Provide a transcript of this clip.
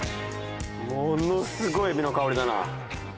ものすごいエビの香りだな。